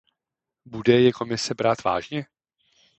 Bude je Komise brát vážně?